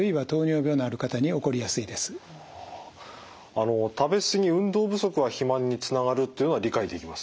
あの食べすぎ運動不足は肥満につながるというのは理解できます。